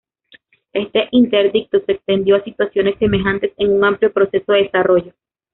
Este interdicto se extendió a situaciones semejantes en un amplio proceso de desarrollo.